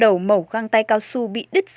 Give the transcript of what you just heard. năm đầu mẩu găng tay cao su bị đứt rời